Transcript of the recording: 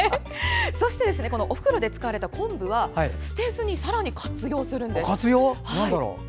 お風呂で使われたこんぶは捨てずに、さらに活用するんです。